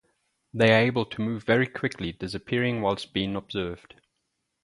They are able to move very quickly, disappearing whilst being observed.